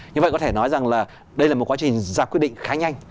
như vậy có thể nói rằng là đây là một quá trình giả quyết định khá nhanh